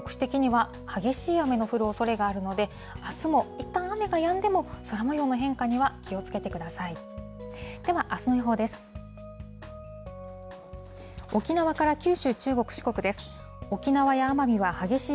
局地的には激しい雨の降るおそれがあるので、あすもいったん雨がやんでも、空もようの変化には気をつけてください。